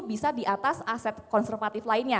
bisa di atas aset konservatif lainnya